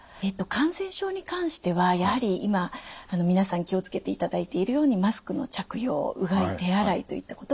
感染症に関してはやはり今皆さん気を付けていただいているようにマスクの着用うがい手洗いといったことが重要になります。